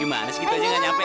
gimana segitu aja nggak nyampe